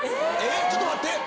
ちょっと待って！